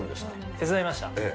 手伝いました。